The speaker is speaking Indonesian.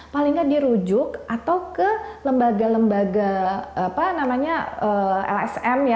paling tidak dirujuk atau ke lembaga lembaga apa namanya lsm ya